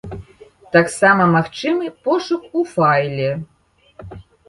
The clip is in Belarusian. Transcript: Таксама магчымы пошук у файле.